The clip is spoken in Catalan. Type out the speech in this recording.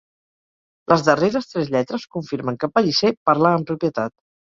Les darreres tres lletres confirmen que Pellicer parlà amb propietat.